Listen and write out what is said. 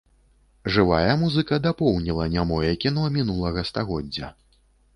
Жывая музыка дапоўніла нямое кіно мінулага стагоддзя.